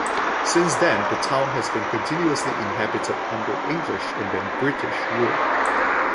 Since then the town has been continuously inhabited under English and then British rule.